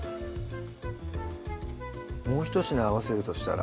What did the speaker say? もうひと品合わせるとしたら？